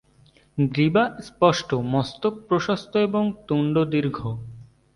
গ্রীবা স্পষ্ট, মস্তক প্রশস্ত এবং তুন্ড দীর্ঘ।